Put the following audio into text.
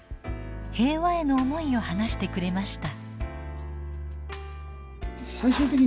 平和への思いを話してくれました。